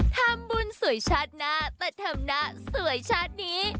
ทำบุญสวยชาติหน้าแต่ทำหน้าสวยชาตินี้